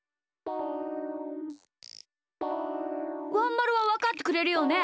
ワンまるはわかってくれるよね？